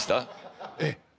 ええ。